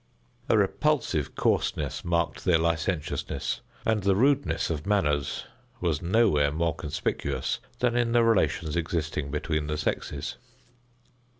A repulsive coarseness marked their licentiousness, and the rudeness of manners was nowhere more conspicuous than in the relations existing between the sexes.